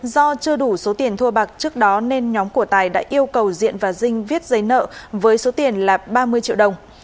do chưa đủ số tiền thua bạc trước đó nên nhóm của tài đã yêu cầu diện và dinh viết giấy nợ với số tiền là ba mươi triệu đồng